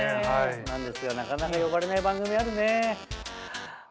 なんですがなかなか呼ばれない番組あるねぇ。